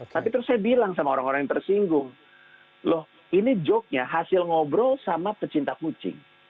tapi terus saya bilang sama orang orang yang tersinggung loh ini joke nya hasil ngobrol sama pecinta kucing